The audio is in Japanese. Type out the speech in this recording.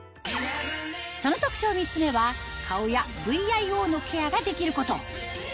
その特徴３つ目は顔やＶＩＯのケアができること